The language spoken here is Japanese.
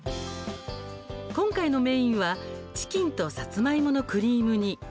今回のメインはチキンとさつまいものクリーム煮。